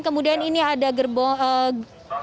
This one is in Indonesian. kemudian ini ada gerbong